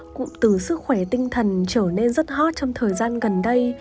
cụm từ sức khỏe tinh thần trở nên rất hot trong thời gian gần đây